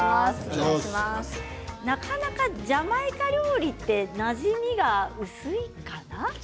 なかなかジャマイカ料理ってなじみが薄いですよね。